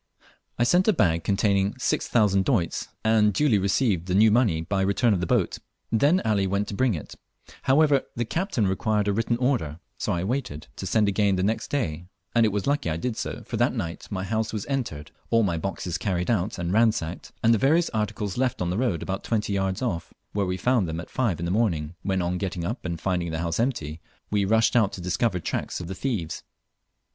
I sent a bag containing 6,000 doits, and duly received the new money by return of the boat. Then Ali went to bring it, however, the captain required a written order; so I waited to send again the next day, and it was lucky I did so, for that night my house was entered, all my boxes carried out and ransacked, and the various articles left on the road about twenty yards off, where we found them at five in the morning, when, on getting up and finding the house empty, we rushed out to discover tracks of the thieves.